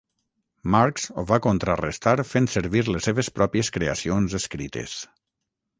Marks ho va contrarestar fent servir les seves pròpies creacions escrites.